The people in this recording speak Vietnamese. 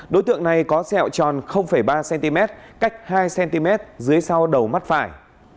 đối tượng này có sẹo tròn ba cm cách hai cm dưới sau đầu mắt phải